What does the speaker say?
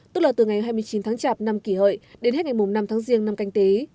tức là từ ngày hai mươi chín tháng chạp năm kỷ hợi đến hết ngày năm tháng riêng năm canh tí